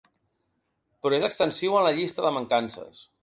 Però és extensiu en la llista de mancances.